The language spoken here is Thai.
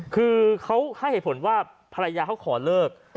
คือเขาให้เหตุผลว่าภรรยาเขาขอเลิก